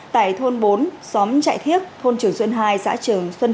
tại thôn bốn xóm trại thiếc thôn trường xuân hai xã trường xuân ba